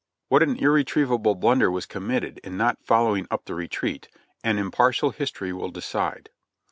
What an irretrievable blunder was committed in not following up the retreat, an impartial history will decide.